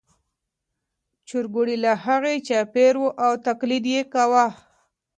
چرګوړي له هغې چاپېر وو او تقلید یې کاوه.